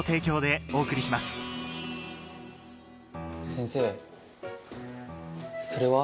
先生それは？